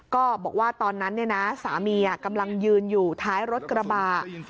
ก็บอกว่าตอนนั้นสามีกำลังยืนอยู่ท้ายรถกระบะ